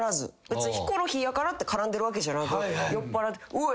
別にヒコロヒーやからって絡んでるわけじゃなく酔っぱらって「おい！」みたいな。